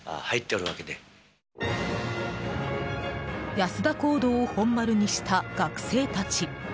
安田講堂を本丸にした学生たち。